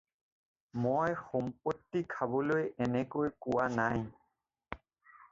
মই সম্পত্তি খাবলৈ এনেকৈ কোৱা নাই।